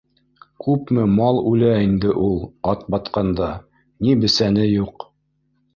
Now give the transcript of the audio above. Күпме мал үлә инде ул Атбатҡанда, ни бесәне юҡ